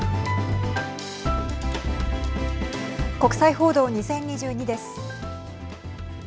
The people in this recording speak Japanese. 国際報道２０２２です。